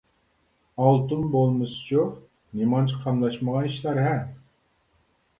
ئالتۇن بولمىسىچۇ! ؟ نېمانچە قاملاشمىغان ئىشلار-ھە.